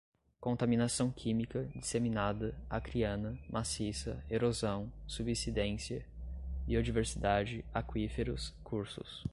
contaminação química, disseminada, acriana, maciça, erosão, subsidência, biodiversidade, aquíferos, cursos